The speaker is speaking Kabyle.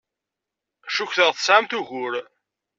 Cukkteɣ tesɛam ugur.